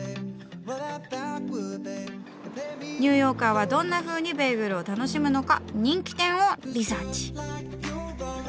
ニューヨーカーはどんなふうにベーグルを楽しむのか人気店をリサーチ。